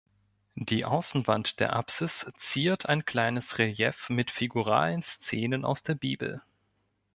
Die Außenwand der Apsis ziert ein kleines Relief mit figuralen Szenen aus der Bibel.